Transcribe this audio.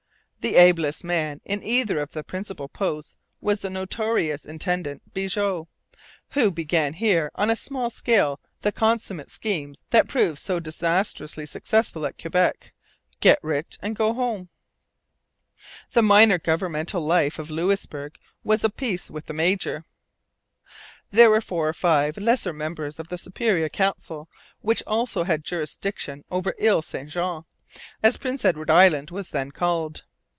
The ablest man in either of the principal posts was the notorious intendant Bigot, who began here on a small scale the consummate schemes that proved so disastrously successful at Quebec. Get rich and go home. The minor governmental life of Louisbourg was of a piece with the major. There were four or five lesser members of the Superior Council, which also had jurisdiction over Ile St Jean, as Prince Edward Island was then called.